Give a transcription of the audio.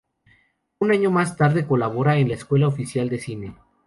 Un año más tarde colabora en la Escuela Oficial de Cine.